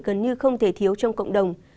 gần như không thể thiếu trong cộng đồng